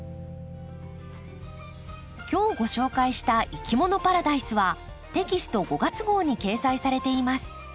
今日ご紹介した「いきものパラダイス」はテキスト５月号に掲載されています。